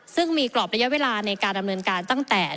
ซึ่งมีกรอบระยะเวลาในการดำเนินการตั้งแต่